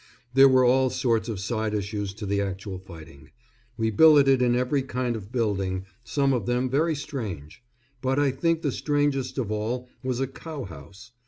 There were all sorts of side issues to the actual fighting. We billeted in every kind of building, some of them very strange; but I think the strangest of all was a cow house.